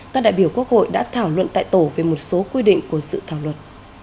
các đại biểu quốc hội đã thảo luận tại tổ về một số quy định của sự thảo luật